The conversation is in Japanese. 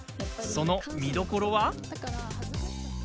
その見どころは。